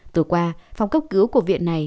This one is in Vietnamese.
từ qua phòng cấp cứu của viện này